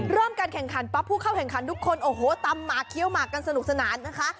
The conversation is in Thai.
การแข่งขันปั๊บผู้เข้าแข่งขันทุกคนโอ้โหตำหมากเคี้ยวหมากกันสนุกสนานนะคะ